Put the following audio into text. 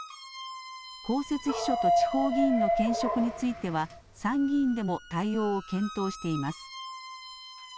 公設秘書と地方議員の兼職については参議院でも対応を検討しています。